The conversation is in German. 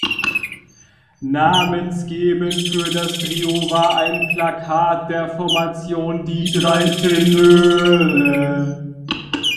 Namensgebend für das Trio war ein Plakat der Formation Die drei Tenöre.